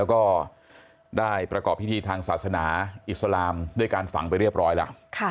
แล้วก็ได้ประกอบพิธีทางศาสนาอิสลามด้วยการฝังไปเรียบร้อยแล้ว